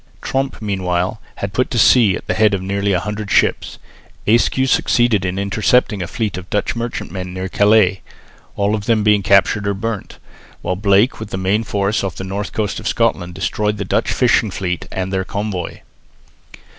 Tromp meanwhile had put to sea at the head of nearly a hundred ships. Ayscue succeeded in intercepting a fleet of Dutch merchantmen near Calais, all of them being captured or burnt, while Blake with the main force off the north coast of Scotland destroyed the Dutch fishing fleet and their convoy.